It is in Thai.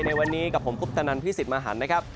ในวันนี้กับผมคุปตนันพี่สิทธิ์มหันนะครับ